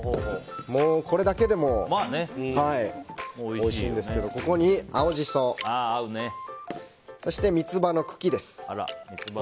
もうこれだけでもおいしいんですけどここに青ジソそして、三つ葉の茎です。